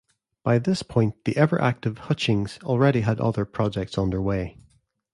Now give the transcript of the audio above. By this point the ever active Hutchings already had other projects underway.